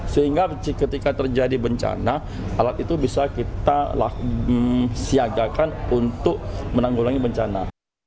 sehingga ketika terjadi bencana alat itu bisa kita siagakan untuk menanggulangi bencana